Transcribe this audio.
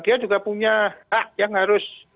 dia juga punya hak yang harus